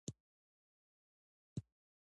ډېر وزن مه اوچتوه